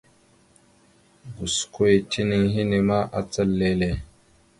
Gosko ya tinaŋ henne ma acal lele.